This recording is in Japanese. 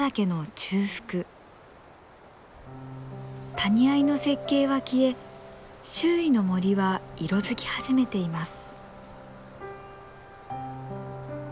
谷あいの雪渓は消え周囲の森は色づき始めています。